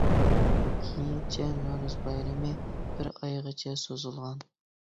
كېيىنچە نورۇز بايرىمى بىر ئايغىچە سوزۇلغان.